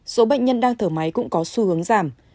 số bệnh nhân đang thở máy cũng có xu hướng giảm